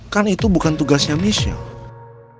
kan itu bukan tugasnya michelle